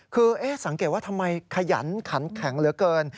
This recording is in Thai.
คือสังเกตว่าทำไมขยันขันแข็งเหลือเกิน